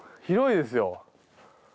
広いですよ。